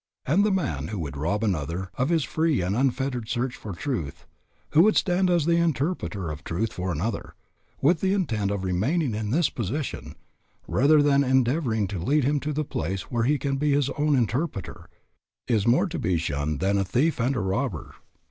And the man who would rob another of his free and unfettered search for truth, who would stand as the interpreter of truth for another, with the intent of remaining in this position, rather than endeavoring to lead him to the place where he can be his own interpreter, is more to be shunned than a thief and a robber.